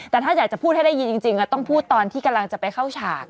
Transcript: แต่ถ้าอยากจะพูดให้ได้ยินจริงก็ต้องพูดตอนที่กำลังจะไปเข้าฉาก